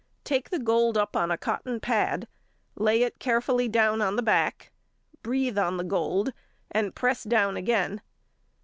Take the gold up on a cotton pad; lay it carefully down on the back; breathe on the gold, and press down again.